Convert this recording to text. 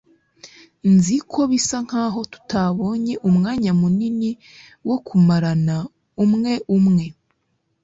nzi ko bisa nkaho tutabonye umwanya munini wo kumarana, umwe umwe